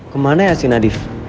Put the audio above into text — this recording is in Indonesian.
kemana ya si nadif